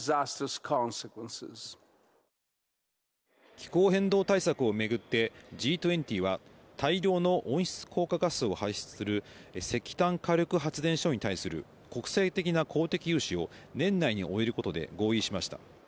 気候変動対策をめぐってＧ２０は大量の温室効果ガスを排出する石炭火力発電所に対する国際的な公的融資を年内に終えることで合意しました。